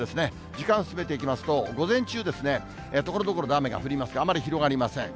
時間進めていきますと、午前中ですね、ところどころで雨が降りますが、あまり広がりません。